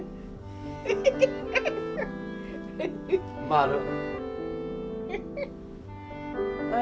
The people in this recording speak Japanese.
まる！